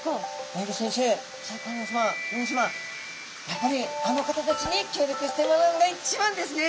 やっぱりあの方たちに協力してもらうのが一番ですね！